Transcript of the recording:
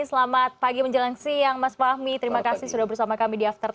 selamat pagi menjelang siang mas fahmi terima kasih sudah bersama kami di after sepuluh